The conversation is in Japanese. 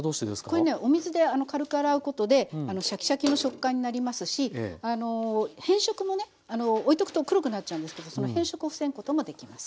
これねお水で軽く洗うことでシャキシャキの食感になりますし変色もねおいとくと黒くなっちゃうんですけどその変色を防ぐこともできます。